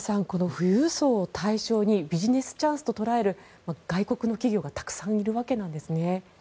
富裕層を対象にビジネスチャンスと捉える外国の企業がたくさんいるわけなんですね。